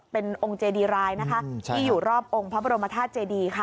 เป็นองค์เจดีรายนะคะที่อยู่รอบองค์พระบรมธาตุเจดีค่ะ